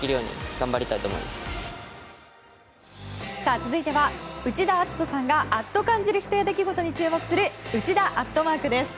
続いては内田篤人さんがあっと感じる人や出来事を取材する「内田＠」です。